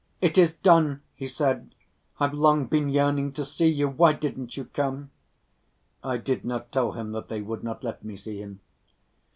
"It is done!" he said. "I've long been yearning to see you, why didn't you come?" I did not tell him that they would not let me see him.